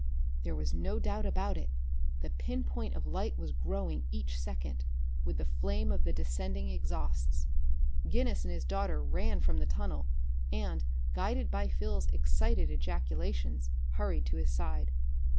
There was no doubt about it. The pin point of light was growing each second, with the flame of the descending exhausts. Guinness and his daughter ran from the tunnel, and, guided by Phil's excited ejaculations, hurried to his side.